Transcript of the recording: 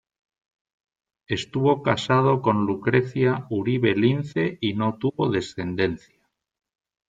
Estuvo casado con Lucrecia Uribe Lince y no tuvo descendencia.